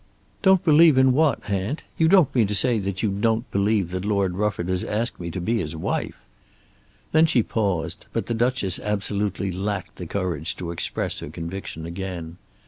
"Don't believe in what, aunt? You don't mean to say that you don't believe that Lord Rufford has asked me to be his wife!" Then she paused, but the Duchess absolutely lacked the courage to express her conviction again.